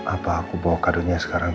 apa aku bawa kadonya sekarang